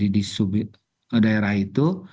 di subit daerah itu